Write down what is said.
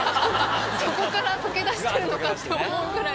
そこから溶けだしてるのかと思うぐらい。